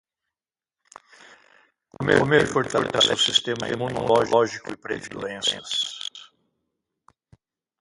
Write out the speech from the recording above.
Comer bem fortalece o sistema imunológico e previne doenças.